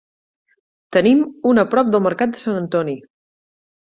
Tenim un a prop del mercat de Sant Antoni.